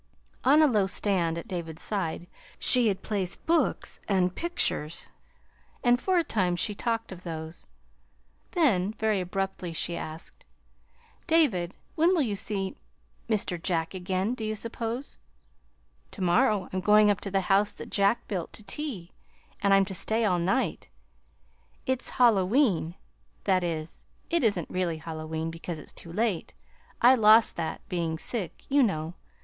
On a low stand at David's side she had placed books and pictures, and for a time she talked of those. Then very abruptly she asked: "David, when will you see Mr. Jack again do you suppose?" "Tomorrow. I'm going up to the House that Jack Built to tea, and I'm to stay all night. It's Halloween that is, it isn't really Halloween, because it's too late. I lost that, being sick, you know.